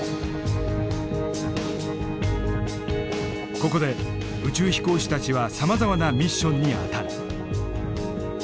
ここで宇宙飛行士たちはさまざまなミッションに当たる。